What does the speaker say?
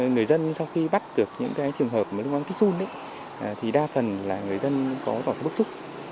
người dân sau khi bắt được những cái trường hợp lưu vang kích run thì đa phần là người dân có bức xúc